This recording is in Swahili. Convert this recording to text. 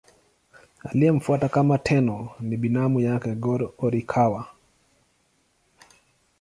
Aliyemfuata kama Tenno ni binamu yake Go-Horikawa.